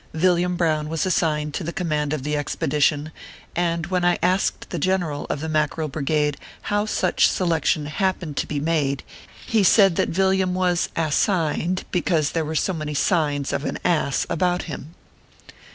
Villiain Brown was assigned to the command of the Expedition, and when I asked the General of the Mackerel Brigade how such selection happened to be made, he said that Villiarn was assigned because there were so many signs of an ass about him.